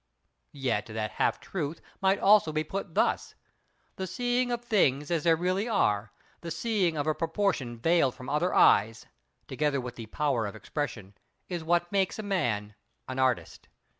Yet, that half truth might also be put thus: The seeing of things as they really are—the seeing of a proportion veiled from other eyes (together with the power of expression), is what makes a man an artist.